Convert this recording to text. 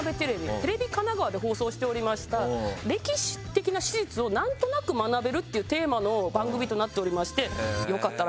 テレビ神奈川で放送しておりました歴史的な史実をなんとなく学べるっていうテーマの番組となっておりまして。